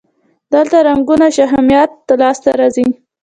دلته رنګونه او شهمیات لاسته راځي.